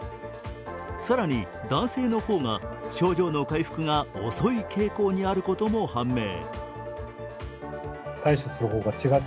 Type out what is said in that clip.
更に、男性の方が症状の回復が遅い傾向にあることも判明。